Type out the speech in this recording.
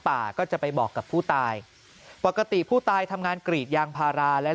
ป่าก็จะไปบอกกับผู้ตายปกติผู้ตายทำงานกรีดยางพาราและ